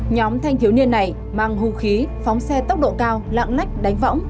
nhóm thanh thiếu niên này mang hung khí phóng xe tốc độ cao lạng lách đánh võng